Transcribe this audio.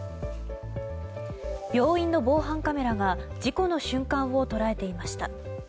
病院の防犯カメラが事故の瞬間を捉えていました。